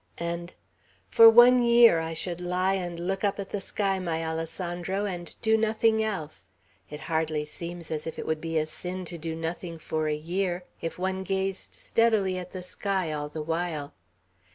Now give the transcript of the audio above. And, "For one year I should lie and look up at the sky, my Alessandro, and do nothing else. It hardly seems as if it would be a sin to do nothing for a year, if one gazed steadily at the sky all the while."